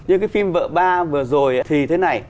như cái phim vợ ba vừa rồi thì thế này